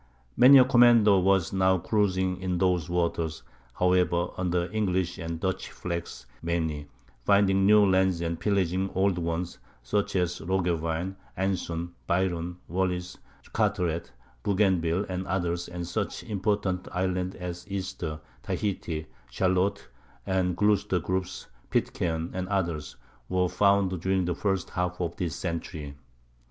Many a commander was now cruising in those waters, however, under English and Dutch flags mainly, finding new lands and pillaging old ones—such as Roggewein, Anson, Byron, Wallis, Carteret, Bougainville, and others; and such important islands as Easter, Tahiti, Charlotte, and Gloucester groups, Pitcairn, and others, were found during the first half of this century.